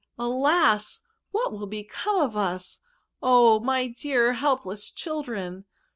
alas I what will become of us? Oh! my dear helpless children!'